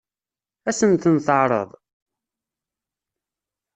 Ad sen-ten-teɛṛeḍ?